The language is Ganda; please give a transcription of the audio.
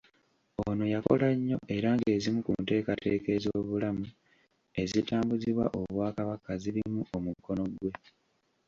Ono yakola nnyo era ng'ezimu ku nteekateeka ez'obulamu ezitambuzibwa obwakabaka zirimu omukono gwe.